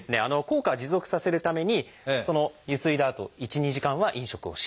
効果を持続させるためにゆすいだあと１２時間は飲食をしないと。